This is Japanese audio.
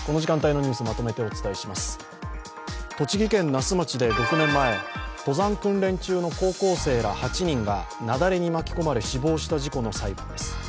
那須町で６年前、登山訓練中の高校生ら８人が雪崩に巻き込まれ死亡した事故の裁判です。